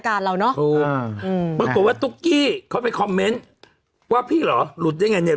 ก็มีแค่กเท่านั้นอีก